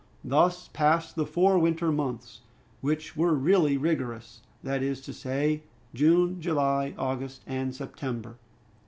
Thus passed the four winter months, which were really rigorous, that is to say, June, July, August, and September.